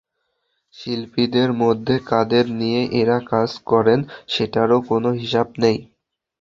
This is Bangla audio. শিল্পীদের মধ্যে কাদের নিয়ে এঁরা কাজ করেন সেটারও কোনো হিসেব নেই।